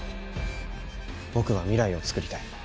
僕は未来をつくりたい。